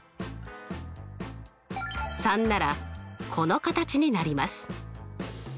３ならこの形になります。